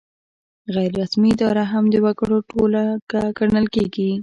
غیر رسمي اداره هم د وګړو ټولګه ګڼل کیږي.